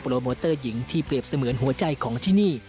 โมเตอร์หญิงที่เปรียบเสมือนหัวใจของที่นี่